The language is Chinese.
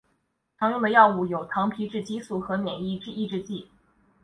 常用的药物有糖皮质激素和免疫抑制剂。